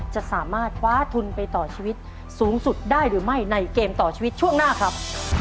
จะสามารถคว้าทุนไปต่อชีวิตสูงสุดได้หรือไม่ในเกมต่อชีวิตช่วงหน้าครับ